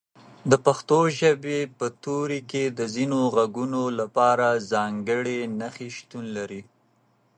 د پښتو ژبې په توري کې د ځینو غږونو لپاره ځانګړي نښې شتون لري.